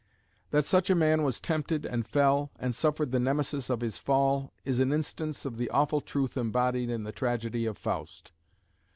That such a man was tempted and fell, and suffered the Nemesis of his fall, is an instance of the awful truth embodied in the tragedy of Faust.